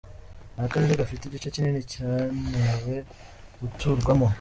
Ni akarere gafite igice kinini cyanewe guturwamo.